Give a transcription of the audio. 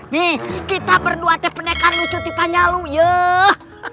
nih kita berdua teh pendekar lucu tipe nyalu yuk